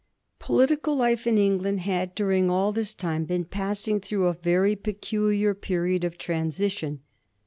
Political life in England had, during all this time, been passing through a very peculiar period of transition.